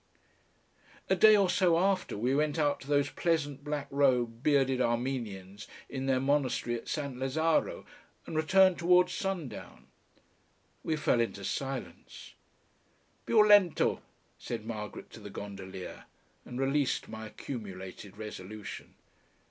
A day or so after we went out to those pleasant black robed, bearded Armenians in their monastery at Saint Lazzaro, and returned towards sundown. We fell into silence. "PIU LENTO," said Margaret to the gondolier, and released my accumulated resolution.